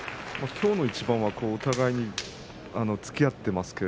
きょうの一番はお互いに突き合っています。